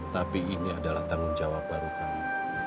tapi ini adalah tanggung jawab baru kami